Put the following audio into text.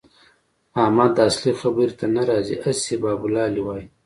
احمد اصلي خبرې ته نه راځي؛ هسې بابولالې وايي.